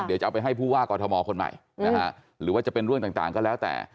เดี๋ยวจะเอาไปให้ผู้ว่ากอทมคนใหม่นะฮะหรือว่าจะเป็นเรื่องต่างก็แล้วแต่